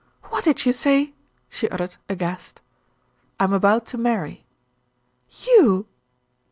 "What did you say?" she uttered, aghast. "I'm about to marry." "You!"